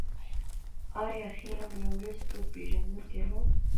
آیا خیام یو لوی ستورپیژندونکی نه و؟